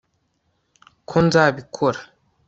ko nzabikora